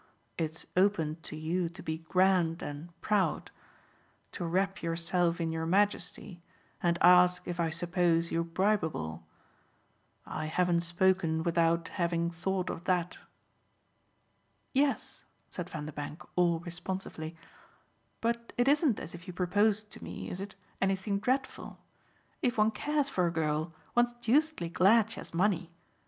It's open to you to be grand and proud to wrap yourself in your majesty and ask if I suppose you bribeable. I haven't spoken without having thought of that." "Yes," said Vanderbank all responsively, "but it isn't as if you proposed to me, is it, anything dreadful? If one cares for a girl one's deucedly glad she has money.